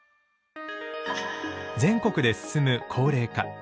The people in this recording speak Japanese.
全国で進む高齢化。